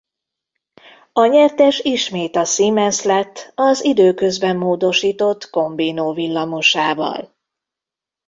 A nyertes ismét a Siemens lett az időközben módosított Combino villamosával.